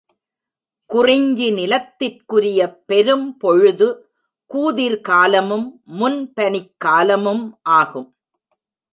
குறிஞ்சி நிலத்திற்குரிய பெரும்பொழுது கூதிர் காலமும் முன்பனிக் காலமும் ஆகும்.